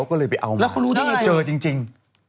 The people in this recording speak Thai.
เกาะแล้วคุณรู้ได้ไงจนเจอจริง